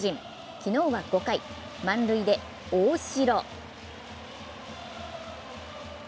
昨日は５回、満塁で大城。